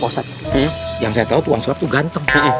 ustadz yang saya tahu tukang sulap itu ganteng